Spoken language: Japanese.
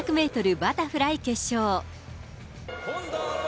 バタフライ決勝。